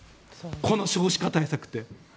この少子化対策って。